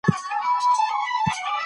ما چي د ميني په شال ووهي